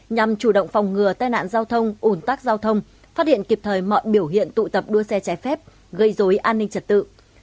nhằm chủ động phòng ngừa tai nạn giao thông ủn tắc giao thông phát hiện kịp thời mọi biểu hiện tụ tập đua xe trái phép gây dối an ninh trật tự